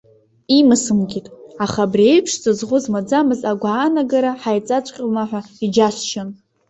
Имасымкит, аха абри еиԥш ҵаҵӷәы змаӡамыз агәаанагара хаиҵаҵәҟьома ҳәа иџьасшьон.